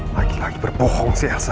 lagi lagi berbohong sih elsa